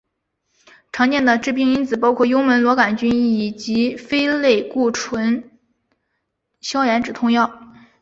常见的致病因子包括幽门螺旋杆菌以及非类固醇消炎止痛药。